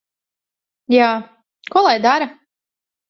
Jā. Ko lai dara?